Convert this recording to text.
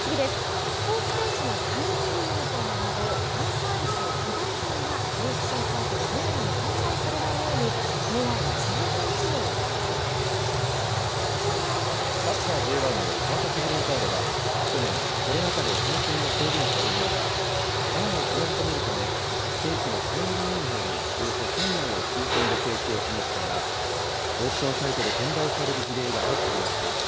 スポーツ選手のサイン入りユニホームなど、ファンサービスの非売品がオークションサイトでむやみに販売されないように、ＡＩ・人サッカーＪ１の川崎フロンターレは、去年、コロナ禍で観戦が制限される中、ファンをつなぎ止めるため、選手のサイン入りユニホーム、およそ１０００枚を抽せんで提供しましたが、オークションサイトで転売される事例が相次ぎました。